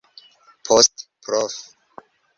Poste prof.